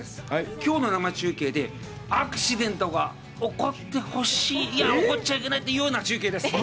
きょうの生中継でアクシデントが起こってほしい、いや起こっちゃいけないような中継です。